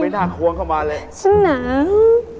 ไม่ใช่ฉันหนาวไม่น่าควรเข้ามาเลย